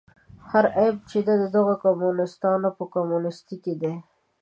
هر عیب چې دی د دغو کمونیستانو په کمونیستي کې دی.